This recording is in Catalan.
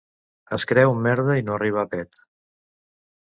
Es creu merda i no arriba a pet.